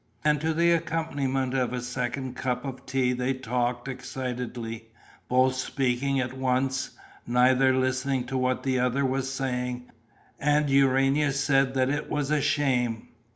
And to the accompaniment of a second cup of tea they talked excitedly, both speaking at once, neither listening to what the other was saying; and Urania said that it was a shame.